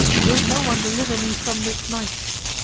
Will no one deliver me from this knight